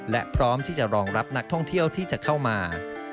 และพร้อมที่จะรองรับนักท่องเที่ยวที่จะเข้ามา